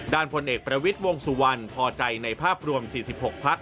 พลเอกประวิทย์วงสุวรรณพอใจในภาพรวม๔๖พัก